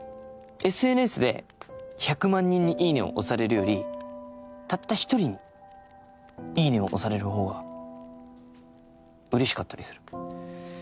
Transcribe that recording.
ＳＮＳで１００万人に「いいね」を押されるよりたった１人に「いいね」を押される方がうれしかったりする。